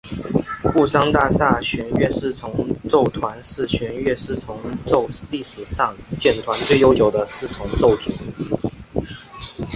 布商大厦弦乐四重奏团是弦乐四重奏历史上建团最悠久的四重奏组。